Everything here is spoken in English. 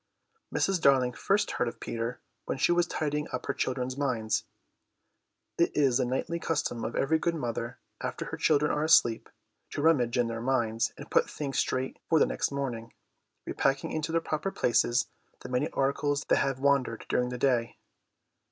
Mrs. Darling first heard of Peter when she was tidying up her children's minds. It is the nightly custom of every good mother after her children are asleep to rummage in their minds and put things straight for next morning, repacking into their proper places the many articles that have wandered during the day.